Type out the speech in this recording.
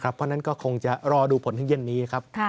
เพราะฉะนั้นก็คงจะรอดูผลถึงเย็นนี้ครับ